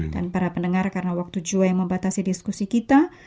dan para pendengar karena waktu jua yang membatasi diskusi kita